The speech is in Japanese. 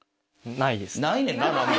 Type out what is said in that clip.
ないねんな何も。